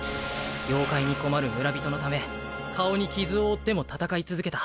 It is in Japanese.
妖怪に困る村人のため顔に傷を負っても戦い続けた。